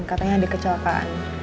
katanya ada kecelakaan